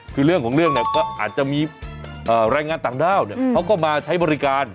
คือเรื่องของเรื่องเนี่ยก็อาจจะมีแรงงานต่างด้าวเขาก็มาใช้บริการ